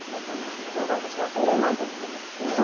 窃盗団としては、売れないということですね。